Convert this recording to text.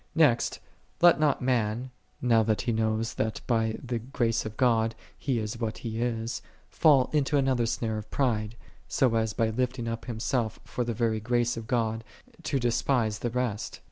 44. Next let not man, now that he knoweth that by the grace of God he is what he is, fall into another snare of pride, so as by lifting up himself for the very grace of God to de spise the rest.